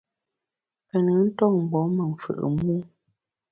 Pe nùn nton ngùom me mfù’ mû.